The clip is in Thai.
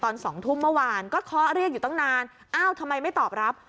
สองทุ่มเมื่อวานก็เคาะเรียกอยู่ตั้งนานอ้าวทำไมไม่ตอบรับ